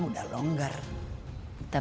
aku mau ke sana